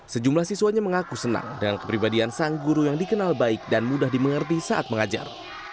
sejumlah siswanya mengaku senang dengan kepribadian sang guru yang dikenal baik dan mudah dimengerti saat mengajar